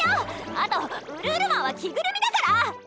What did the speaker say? あとウルウルマンは着ぐるみだから。